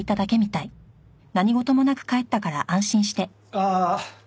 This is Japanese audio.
ああ